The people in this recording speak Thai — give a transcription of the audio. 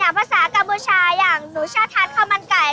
อย่างภาษากับบุญชาอย่างหนูชอบทานข้าวมันไก่